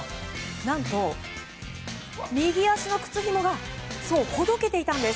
何と右足の靴ひもがほどけていたんです。